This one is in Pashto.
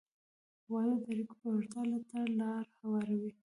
• واده د اړیکو پیاوړتیا ته لار هواروي.